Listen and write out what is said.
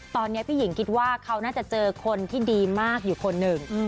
ตอนนี้พี่หญิงคิดว่าเขาน่าจะเจอคนที่ดีมากอยู่คนหนึ่ง